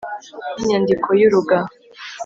n’inyandiko y’uraga.